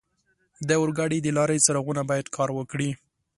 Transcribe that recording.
د اورګاډي د لارې څراغونه باید کار وکړي.